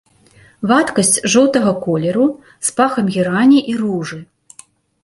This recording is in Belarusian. Вадкасць жоўтага колеру з пахам герані і ружы.